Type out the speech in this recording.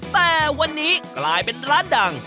แต่วันนี้กลายเป็นร้านดัง